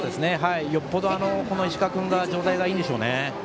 よっぽど石川君が状態がいいんでしょうね。